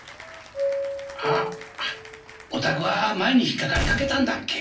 あっお宅は前に引っかかりかけたんだっけ。